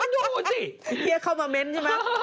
เดี๋ยวเข้ามาเมนเตอร์เนี่ย